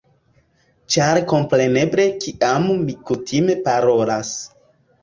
Ĉar kompreneble kiam mi kutime parolas